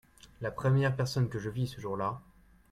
La première personne que je vis ce jour-là…